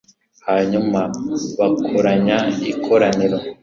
hanyuma bakoranya ikoraniro